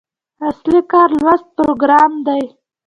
اصلي کار لوست پروګرام دی.